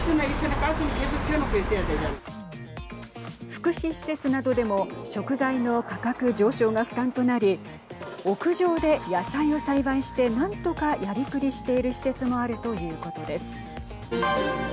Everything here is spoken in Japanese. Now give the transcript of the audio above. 福祉施設などでも食材の価格上昇が負担となり屋上で野菜を栽培してなんとか、やりくりしている施設もあるということです。